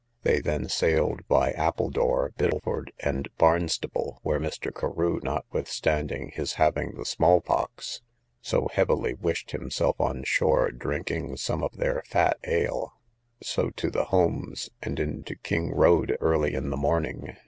They then sailed by Appledore, Biddeford, and Barnstaple, (where Mr. Carew, notwithstanding his having the small pox so heavily, wished himself on shore, drinking some of their fat ale,) so to the Holmes, and into King road early in the morning.